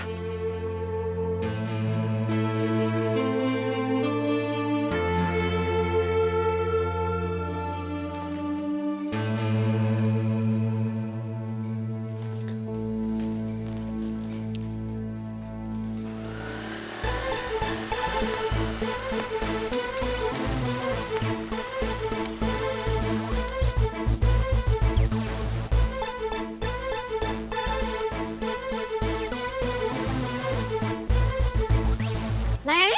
diam ri properly